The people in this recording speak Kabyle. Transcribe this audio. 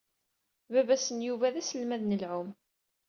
Baba-s n Yuba d aselmad n lɛum.